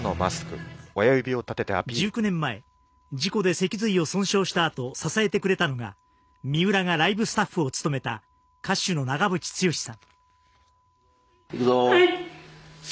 １９年前事故で脊髄を損傷したあと支えてくれたのが三浦がライブスタッフを務めた歌手の長渕剛さん。